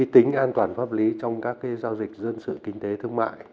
tính an toàn pháp lý trong các giao dịch dân sự kinh tế thương mại